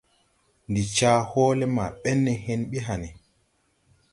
Ndi caa hɔɔle ma bɛn ne hen bi hãne.